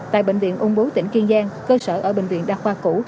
tại bệnh viện ún bố tỉnh kiên giang cơ sở ở bệnh viện đa khoa cũ